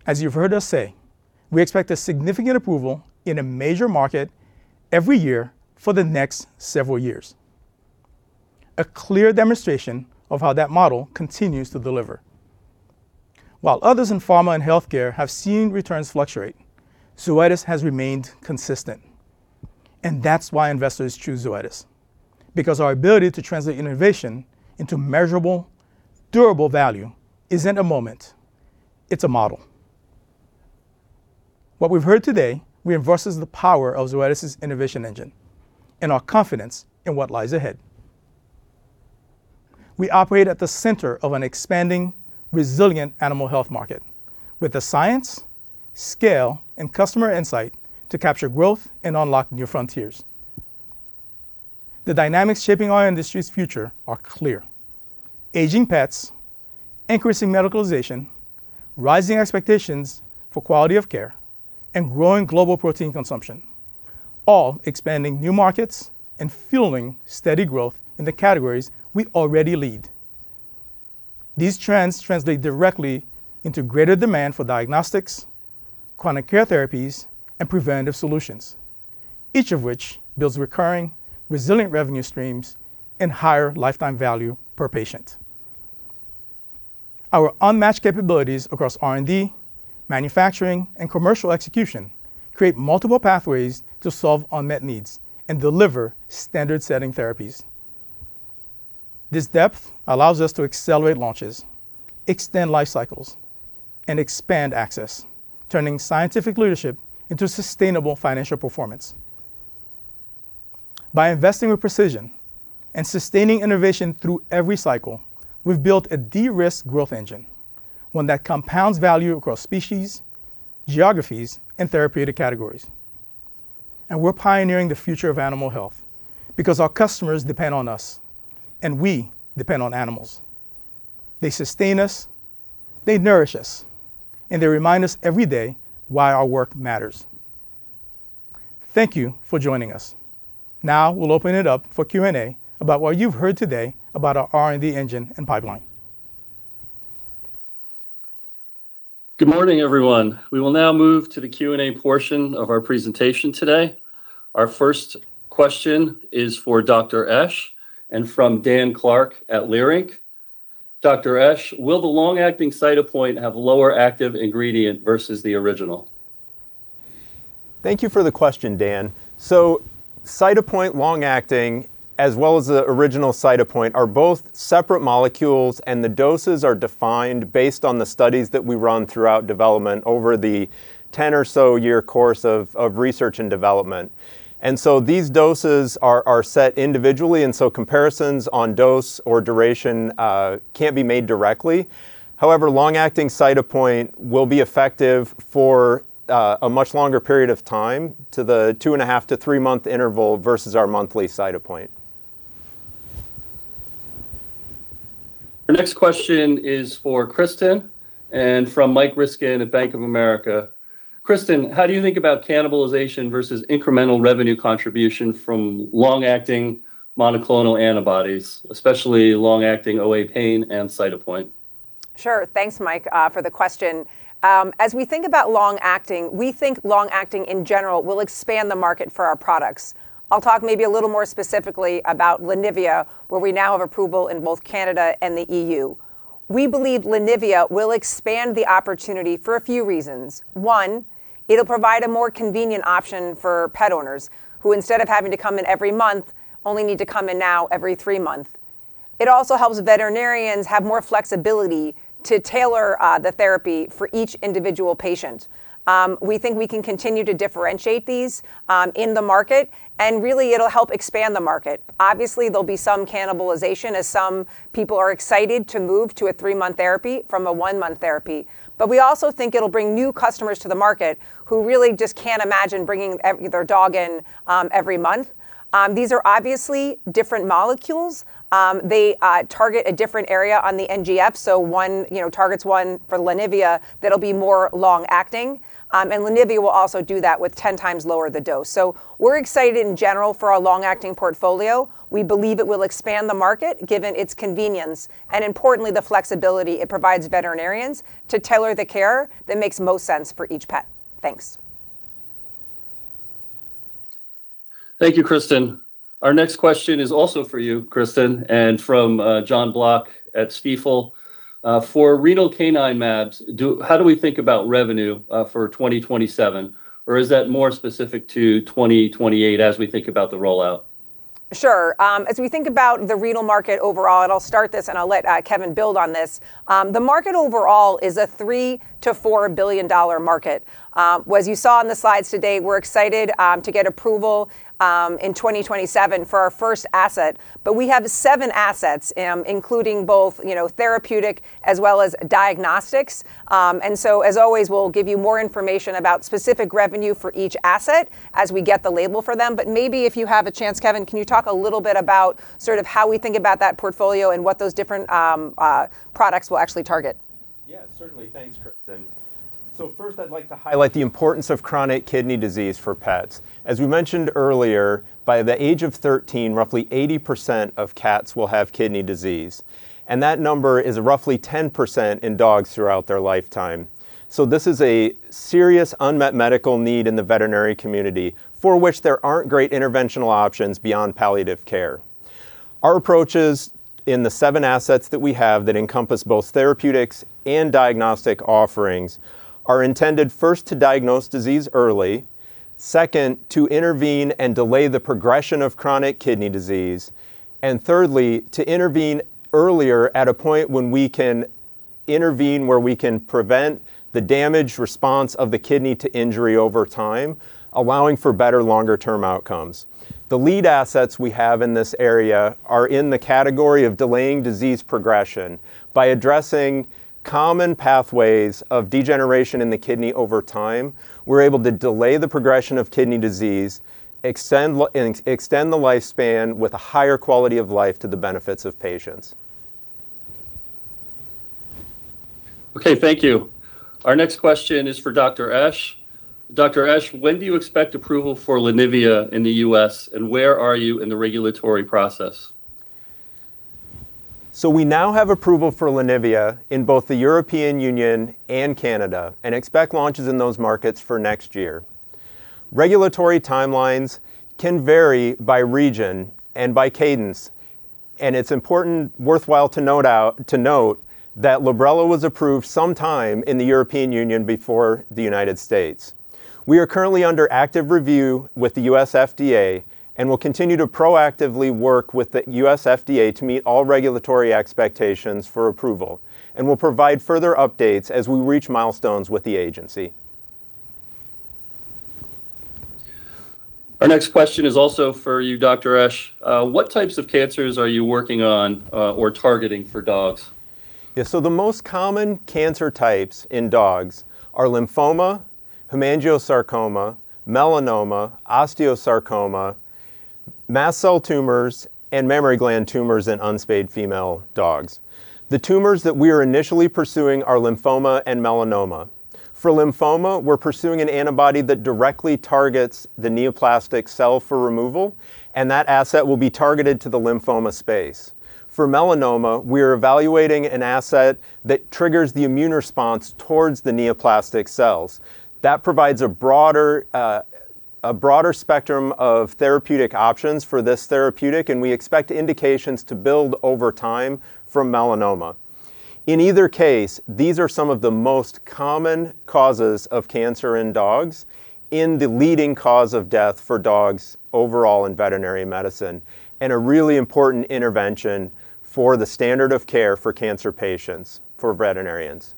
As you have heard us say, we expect a significant approval in a major market every year for the next several years, a clear demonstration of how that model continues to deliver. While others in pharma and healthcare have seen returns fluctuate, Zoetis has remained consistent. That is why investors choose Zoetis, because our ability to translate innovation into measurable, durable value is not a moment; it is a model. What we have heard today reinforces the power of Zoetis's innovation engine and our confidence in what lies ahead. We operate at the center of an expanding, resilient animal health market with the science, scale, and customer insight to capture growth and unlock new frontiers. The dynamics shaping our industry's future are clear: aging pets, increasing medicalization, rising expectations for quality of care, and growing global protein consumption, all expanding new markets and fueling steady growth in the categories we already lead. These trends translate directly into greater demand for diagnostics, chronic care therapies, and preventative solutions, each of which builds recurring, resilient revenue streams and higher lifetime value per patient. Our unmatched capabilities across R&D, manufacturing, and commercial execution create multiple pathways to solve unmet needs and deliver standard-setting therapies. This depth allows us to accelerate launches, extend life cycles, and expand access, turning scientific leadership into sustainable financial performance. By investing with precision and sustaining innovation through every cycle, we've built a de-risk growth engine, one that compounds value across species, geographies, and therapeutic categories. We're pioneering the future of animal health because our customers depend on us, and we depend on animals. They sustain us, they nourish us, and they remind us every day why our work matters. Thank you for joining us. Now we'll open it up for Q&A about what you've heard today about our R&D engine and pipeline. Good morning, everyone. We will now move to the Q&A portion of our presentation today. Our first question is for Dr. Esch and from Dan Clark at Leerink. Dr. Esch, will the long-acting Cytopoint have lower active ingredient versus the original? Thank you for the question, Dan. Cytopoint long-acting, as well as the original Cytopoint, are both separate molecules, and the doses are defined based on the studies that we run throughout development over the 10 or so year course of research and development. These doses are set individually, and comparisons on dose or duration cannot be made directly. However, long-acting Cytopoint will be effective for a much longer period of time, the two and a half to three-month interval versus our monthly Cytopoint. Our next question is for Kristin and from Mike Ryskin at Bank of America. Kristin, how do you think about cannibalization versus incremental revenue contribution from long-acting monoclonal antibodies, especially long-acting OA pain and Cytopoint? Sure. Thanks, Mike, for the question. As we think about long-acting, we think long-acting in general will expand the market for our products. I'll talk maybe a little more specifically about Lenivia, where we now have approval in both Canada and the European Union. We believe Lenivia will expand the opportunity for a few reasons. One, it'll provide a more convenient option for pet owners who, instead of having to come in every month, only need to come in now every three months. It also helps veterinarians have more flexibility to tailor the therapy for each individual patient. We think we can continue to differentiate these in the market, and really, it'll help expand the market. Obviously, there'll be some cannibalization as some people are excited to move to a three-month therapy from a one-month therapy. We also think it'll bring new customers to the market who really just can't imagine bringing their dog in every month. These are obviously different molecules. They target a different area on the NGF, so one targets one for Lenivia that'll be more long-acting. And Lenivia will also do that with 10 times lower the dose. We are excited in general for our long-acting portfolio. We believe it will expand the market given its convenience and, importantly, the flexibility it provides veterinarians to tailor the care that makes most sense for each pet. Thanks. Thank you, Kristin. Our next question is also for you, Kristin, and from Jonathan Block at Stifel. For renal canine labs, how do we think about revenue for 2027, or is that more specific to 2028 as we think about the rollout? Sure. As we think about the renal market overall, and I'll start this and I'll let Kevin build on this. The market overall is a $3 billion-$4 billion market. As you saw on the slides today, we're excited to get approval in 2027 for our first asset, but we have seven assets, including both therapeutic as well as diagnostics. As always, we'll give you more information about specific revenue for each asset as we get the label for them. Maybe if you have a chance, Kevin, can you talk a little bit about sort of how we think about that portfolio and what those different products will actually target? Yeah, certainly. Thanks, Kristin. First, I'd like to highlight the importance of chronic kidney disease for pets. As we mentioned earlier, by the age of 13, roughly 80% of cats will have kidney disease, and that number is roughly 10% in dogs throughout their lifetime. This is a serious unmet medical need in the veterinary community for which there aren't great interventional options beyond palliative care. Our approaches in the seven assets that we have that encompass both therapeutics and diagnostic offerings are intended first to diagnose disease early, second, to intervene and delay the progression of chronic kidney disease, and thirdly, to intervene earlier at a point when we can intervene where we can prevent the damage response of the kidney to injury over time, allowing for better longer-term outcomes. The lead assets we have in this area are in the category of delaying disease progression. By addressing common pathways of degeneration in the kidney over time, we're able to delay the progression of kidney disease, extend the lifespan with a higher quality of life to the benefits of patients. Okay, thank you. Our next question is for Dr. Esch. Dr. Esch, when do you expect approval for Lenivia in the U.S., and where are you in the regulatory process? We now have approval for Lenivia in both the European Union and Canada and expect launches in those markets for next year. Regulatory timelines can vary by region and by cadence, and it's important, worthwhile to note that Librela was approved sometime in the European Union before the United States. We are currently under active review with the U.S. FDA and will continue to proactively work with the U.S. FDA to meet all regulatory expectations for approval and will provide further updates as we reach milestones with the agency. Our next question is also for you, Dr. Esch. What types of cancers are you working on or targeting for dogs? Yeah, so the most common cancer types in dogs are lymphoma, hemangiosarcoma, melanoma, osteosarcoma, mast cell tumors, and mammary gland tumors in unspayed female dogs. The tumors that we are initially pursuing are lymphoma and melanoma. For lymphoma, we're pursuing an antibody that directly targets the neoplastic cell for removal, and that asset will be targeted to the lymphoma space. For melanoma, we are evaluating an asset that triggers the immune response towards the neoplastic cells. That provides a broader spectrum of therapeutic options for this therapeutic, and we expect indications to build over time for melanoma. In either case, these are some of the most common causes of cancer in dogs, in the leading cause of death for dogs overall in veterinary medicine, and a really important intervention for the standard of care for cancer patients for veterinarians.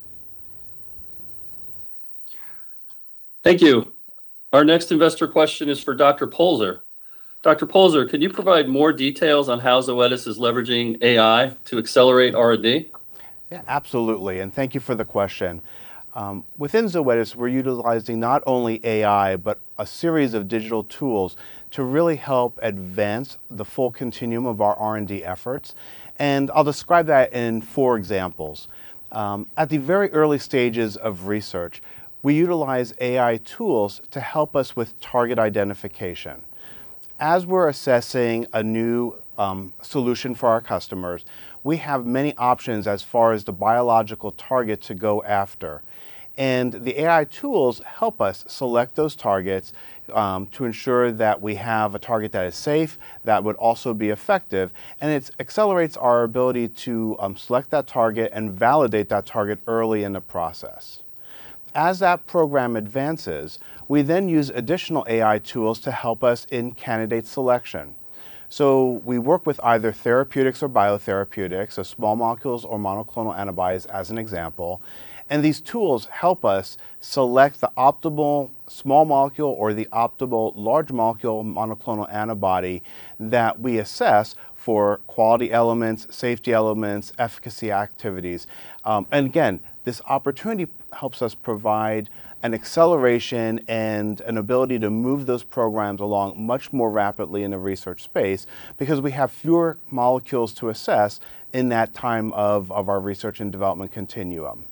Thank you. Our next investor question is for Dr. Polzer. Dr. Polzer, could you provide more details on how Zoetis is leveraging AI to accelerate R&D? Yeah, absolutely. Thank you for the question. Within Zoetis, we're utilizing not only AI, but a series of digital tools to really help advance the full continuum of our R&D efforts. I'll describe that in four examples. At the very early stages of research, we utilize AI tools to help us with target identification. As we're assessing a new solution for our customers, we have many options as far as the biological target to go after. The AI tools help us select those targets to ensure that we have a target that is safe, that would also be effective, and it accelerates our ability to select that target and validate that target early in the process. As that program advances, we then use additional AI tools to help us in candidate selection. We work with either therapeutics or biotherapeutics, so small molecules or monoclonal antibodies as an example. These tools help us select the optimal small molecule or the optimal large molecule monoclonal antibody that we assess for quality elements, safety elements, efficacy activities. Again, this opportunity helps us provide an acceleration and an ability to move those programs along much more rapidly in the research space because we have fewer molecules to assess in that time of our research and development continuum.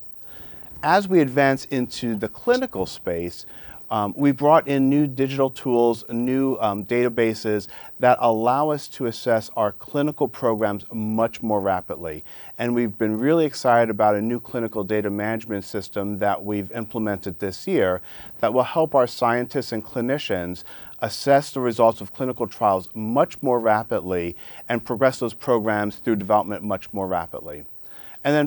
As we advance into the clinical space, we brought in new digital tools, new databases that allow us to assess our clinical programs much more rapidly. We have been really excited about a new clinical data management system that we have implemented this year that will help our scientists and clinicians assess the results of clinical trials much more rapidly and progress those programs through development much more rapidly.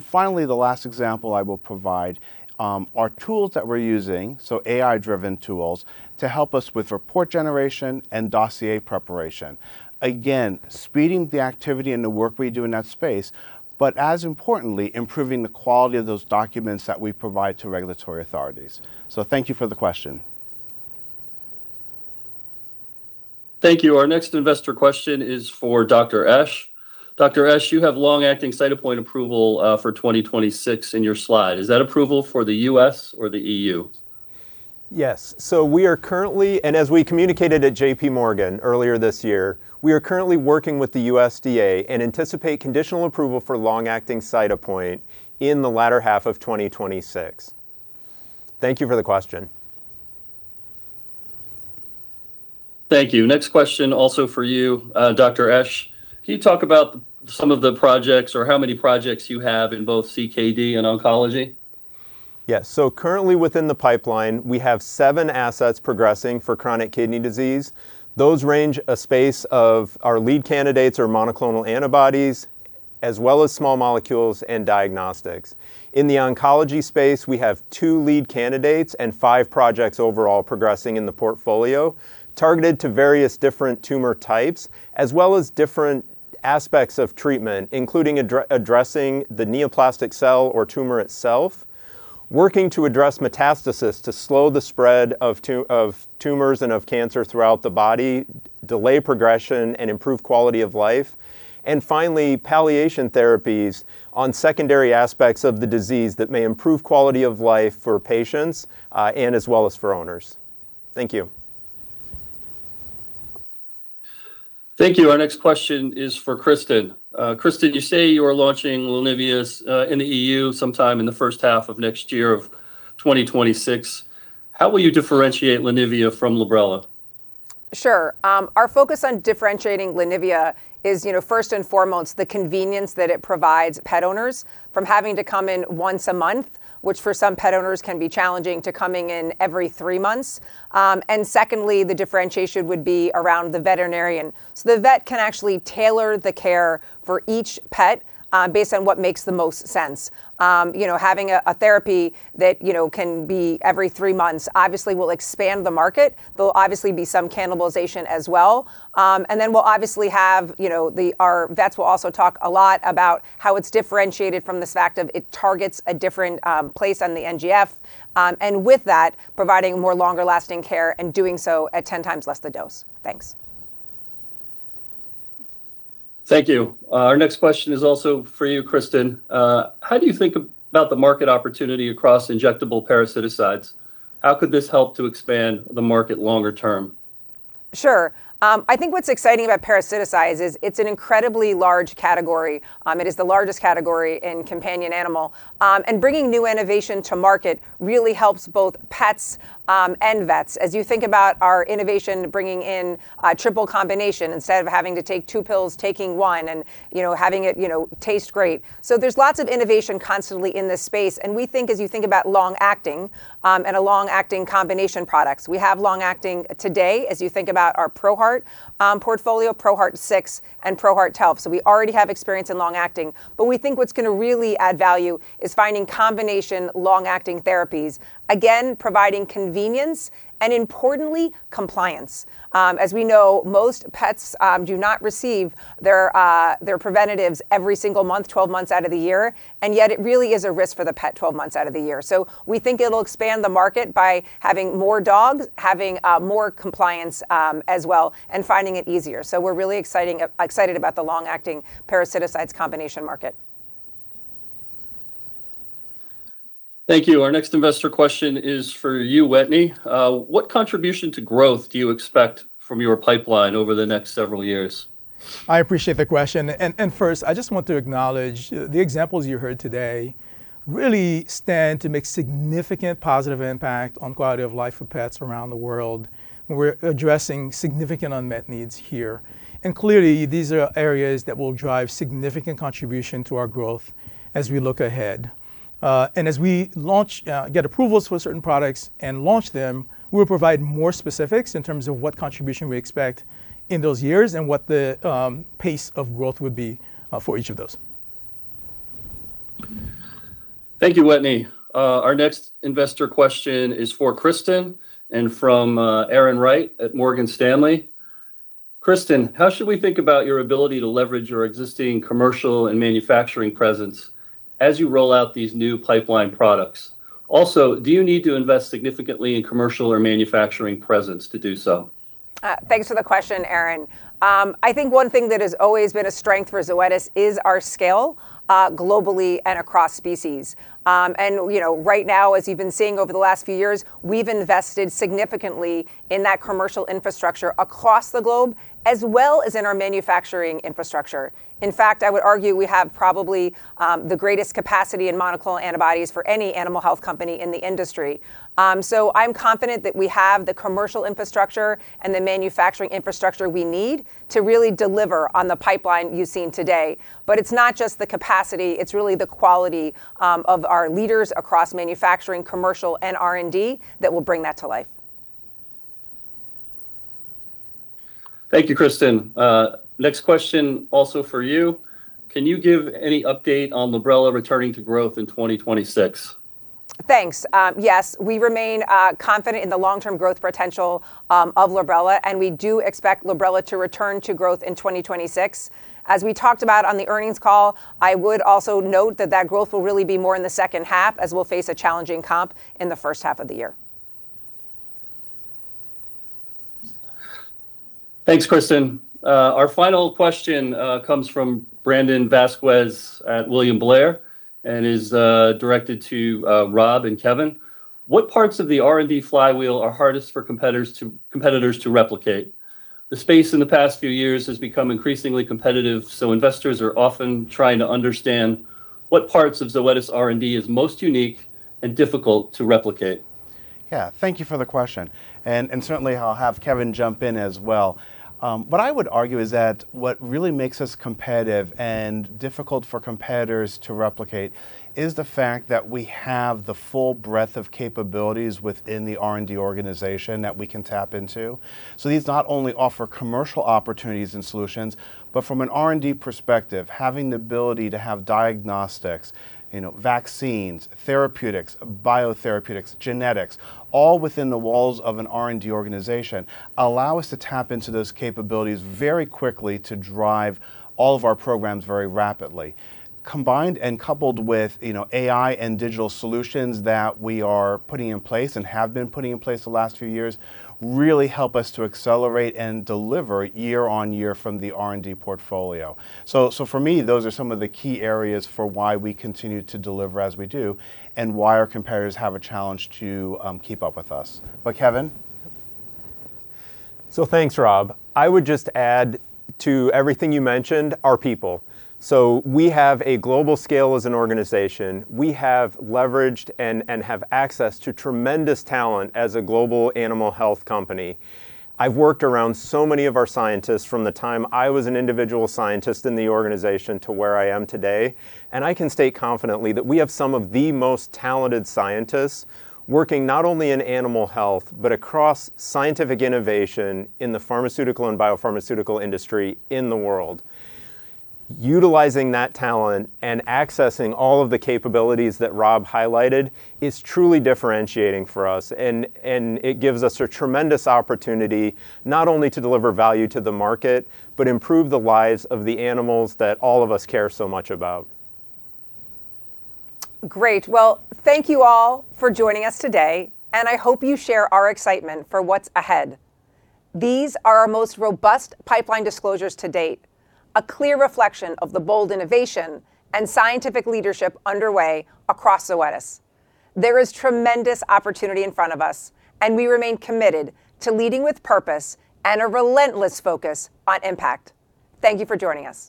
Finally, the last example I will provide are tools that we are using, so AI-driven tools, to help us with report generation and dossier preparation. Again, speeding the activity and the work we do in that space, but as importantly, improving the quality of those documents that we provide to regulatory authorities. Thank you for the question. Thank you. Our next investor question is for Dr. Esch. Dr. Esch, you have long-acting Cytopoint approval for 2026 in your slide. Is that approval for the U.S. or the European Union? Yes. We are currently, and as we communicated at J.P. Morgan earlier this year, we are currently working with the USDA and anticipate conditional approval for long-acting Cytopoint in the latter half of 2026. Thank you for the question. Thank you. Next question also for you, Dr. Esch. Can you talk about some of the projects or how many projects you have in both CKD and oncology? Yeah. Currently within the pipeline, we have seven assets progressing for chronic kidney disease. Those range a space of our lead candidates are monoclonal antibodies as well as small molecules and diagnostics. In the oncology space, we have two lead candidates and five projects overall progressing in the portfolio targeted to various different tumor types as well as different aspects of treatment, including addressing the neoplastic cell or tumor itself, working to address metastasis to slow the spread of tumors and of cancer throughout the body, delay progression, and improve quality of life. Finally, palliation therapies on secondary aspects of the disease that may improve quality of life for patients and as well as for owners. Thank you. Thank you. Our next question is for Kristin. Kristin, you say you are launching Lenivia in the European Union sometime in the first half of 2026. How will you differentiate Lenivia from Librela? Sure. Our focus on differentiating Lenivia is, first and foremost, the convenience that it provides pet owners from having to come in once a month, which for some pet owners can be challenging to coming in every three months. Secondly, the differentiation would be around the veterinarian. The vet can actually tailor the care for each pet based on what makes the most sense. Having a therapy that can be every three months obviously will expand the market. There will obviously be some cannibalization as well. Our vets will also talk a lot about how it is differentiated from this fact of it targets a different place on the NGF and with that, providing more longer-lasting care and doing so at 10 times less the dose. Thanks. Thank you. Our next question is also for you, Kristin. How do you think about the market opportunity across injectable parasiticides? How could this help to expand the market longer term? Sure. I think what's exciting about parasiticides is it's an incredibly large category. It is the largest category in companion animal. Bringing new innovation to market really helps both pets and vets. As you think about our innovation bringing in triple combination instead of having to take two pills, taking one and having it taste great. There is lots of innovation constantly in this space. We think as you think about long-acting and long-acting combination products, we have long-acting today as you think about our ProHeart portfolio, ProHeart 6, and ProHeart 12. We already have experience in long-acting, but we think what's going to really add value is finding combination long-acting therapies, again, providing convenience and, importantly, compliance. As we know, most pets do not receive their preventatives every single month, 12 months out of the year, and yet it really is a risk for the pet 12 months out of the year. We think it'll expand the market by having more dogs, having more compliance as well, and finding it easier. We are really excited about the long-acting parasiticides combination market. Thank you. Our next investor question is for you, Wetteny. What contribution to growth do you expect from your pipeline over the next several years? I appreciate the question. First, I just want to acknowledge the examples you heard today really stand to make significant positive impact on quality of life for pets around the world. We're addressing significant unmet needs here. Clearly, these are areas that will drive significant contribution to our growth as we look ahead. As we get approvals for certain products and launch them, we'll provide more specifics in terms of what contribution we expect in those years and what the pace of growth would be for each of those. Thank you, Wetteny. Our next investor question is for Kristin and from Erin Wright at Morgan Stanley. Kristin, how should we think about your ability to leverage your existing commercial and manufacturing presence as you roll out these new pipeline products? Also, do you need to invest significantly in commercial or manufacturing presence to do so? Thanks for the question, Erin. I think one thing that has always been a strength for Zoetis is our scale globally and across species. Right now, as you've been seeing over the last few years, we've invested significantly in that commercial infrastructure across the globe as well as in our manufacturing infrastructure. In fact, I would argue we have probably the greatest capacity in monoclonal antibodies for any animal health company in the industry. I am confident that we have the commercial infrastructure and the manufacturing infrastructure we need to really deliver on the pipeline you've seen today. It's not just the capacity, it's really the quality of our leaders across manufacturing, commercial, and R&D that will bring that to life. Thank you, Kristin. Next question also for you. Can you give any update on Librela returning to growth in 2026? Thanks. Yes, we remain confident in the long-term growth potential of Librela, and we do expect Librela to return to growth in 2026. As we talked about on the earnings call, I would also note that that growth will really be more in the second half as we'll face a challenging comp in the first half of the year. Thanks, Kristin. Our final question comes from Brandon Vazquez at William Blair and is directed to Rob and Kevin. What parts of the R&D flywheel are hardest for competitors to replicate? The space in the past few years has become increasingly competitive, so investors are often trying to understand what parts of Zoetis R&D is most unique and difficult to replicate. Yeah, thank you for the question. Certainly, I'll have Kevin jump in as well. What I would argue is that what really makes us competitive and difficult for competitors to replicate is the fact that we have the full breadth of capabilities within the R&D organization that we can tap into. These not only offer commercial opportunities and solutions, but from an R&D perspective, having the ability to have diagnostics, vaccines, therapeutics, biotherapeutics, genetics, all within the walls of an R&D organization allow us to tap into those capabilities very quickly to drive all of our programs very rapidly. Combined and coupled with AI and digital solutions that we are putting in place and have been putting in place the last few years really help us to accelerate and deliver year on year from the R&D portfolio. For me, those are some of the key areas for why we continue to deliver as we do and why our competitors have a challenge to keep up with us. But Kevin. Thanks, Rob. I would just add to everything you mentioned, our people. We have a global scale as an organization. We have leveraged and have access to tremendous talent as a global animal health company. I've worked around so many of our scientists from the time I was an individual scientist in the organization to where I am today. I can state confidently that we have some of the most talented scientists working not only in animal health, but across scientific innovation in the pharmaceutical and biopharmaceutical industry in the world. Utilizing that talent and accessing all of the capabilities that Rob highlighted is truly differentiating for us. It gives us a tremendous opportunity not only to deliver value to the market, but improve the lives of the animals that all of us care so much about. Great. Thank you all for joining us today, and I hope you share our excitement for what is ahead. These are our most robust pipeline disclosures to date, a clear reflection of the bold innovation and scientific leadership underway across Zoetis. There is tremendous opportunity in front of us, and we remain committed to leading with purpose and a relentless focus on impact. Thank you for joining us.